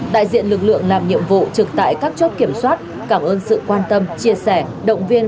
đại diện lực lượng làm nhiệm vụ trực tại các chốt kiểm soát cảm ơn sự quan tâm chia sẻ động viên